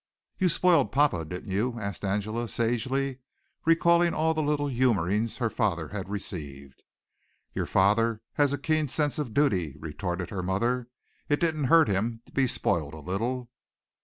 "You spoiled papa, didn't you?" asked Angela sagely, recalling all the little humorings her father had received. "Your father has a keen sense of duty," retorted her mother. "It didn't hurt him to be spoiled a little."